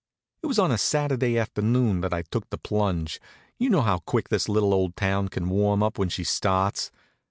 It was on a Saturday afternoon that I took the plunge. You know how quick this little old town can warm up when she starts.